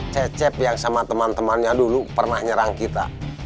cecep yang sama teman temannya dulu pernah nyerang kita